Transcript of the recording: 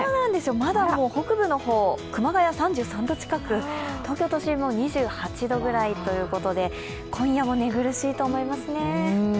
まだ北部の方、熊谷３３度近く、東京都心も２８度ぐらいということで今夜も寝苦しいと思いますね。